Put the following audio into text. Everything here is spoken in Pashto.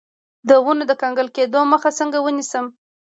د ونو د کنګل کیدو مخه څنګه ونیسم؟